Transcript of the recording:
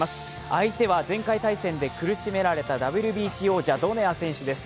相手は前回対戦で苦しめられたＷＢＣ王者、ドネア選手です。